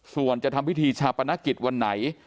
ส่วนจะทำพิธีชาปนกิจวันไหน